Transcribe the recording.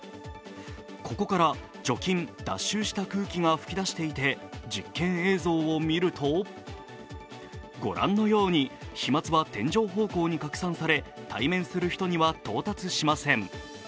ここから除菌・脱臭した空気が吹きだしていて実験映像を見ると御覧のように飛まつは天井方向に拡散され対面する人には到達しません。